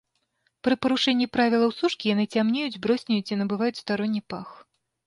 Пры парушэнні правілаў сушкі яны цямнеюць, броснеюць і набываюць старонні пах.